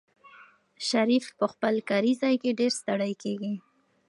شریف په خپل کاري ځای کې ډېر ستړی کېږي.